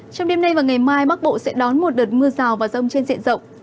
trong đêm nay và ngày mai bắc bộ sẽ đón một đợt mưa rào và rông trên diện rộng